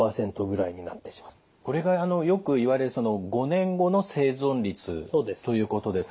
これがよく言われる５年後の生存率ということですか。